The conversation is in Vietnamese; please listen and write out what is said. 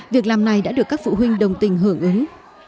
việc làm này đã được các phụ huynh đồng tình hưởng ứng